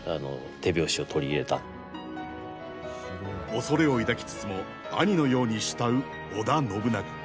恐れを抱きつつも兄のように慕う織田信長。